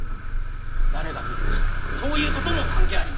誰がミスしたとかそういう事も関係ありません。